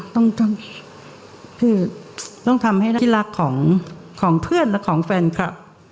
ต้องทำให้ได้ที่รักของเพื่อนและของแฟนค่ะ